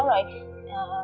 không phải gửi con ở quân mà